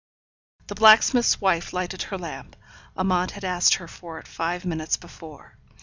The blacksmith's wife lighted her lamp; Amante had asked her for it five minutes before.